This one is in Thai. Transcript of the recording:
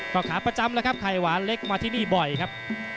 ก็ขาประจำแล้วครับไข่หวานเล็กมาที่นี่บ่อยครับ